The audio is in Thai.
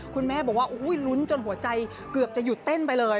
คุณแม่บอกว่าลุ้นจนหัวใจเกือบจะหยุดเต้นไปเลย